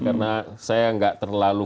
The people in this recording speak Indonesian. karena saya nggak terlalu